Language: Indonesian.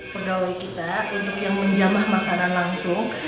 pegawai kita untuk yang menjamah makanan langsung